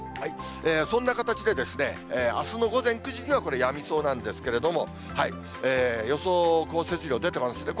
そんな形で、あすの午前９時にはこれやみそうなんですけれども、予想降雪量、出てます。